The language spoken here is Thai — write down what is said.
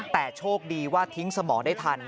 แต่โชคดีว่าทิ้งสมองได้ทัน